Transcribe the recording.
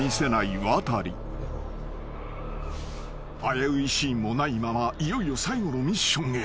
［危ういシーンもないままいよいよ最後のミッションへ］